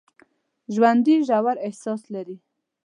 ژوندي ژور احساس لري